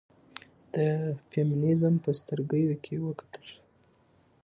د فيمنيزم په سترګيو کې وکتل شو